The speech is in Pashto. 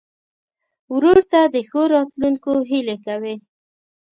ورور ته د ښو راتلونکو هیلې کوې.